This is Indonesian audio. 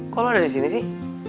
kok lo ada di sini sih